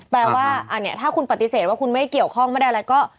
แปลว่าอันนี้ถ้าคุณปฏิเสธว่าคุณไม่ได้เกี่ยวข้องไม่ได้อะไรก็